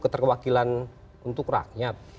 keterwakilan untuk rakyat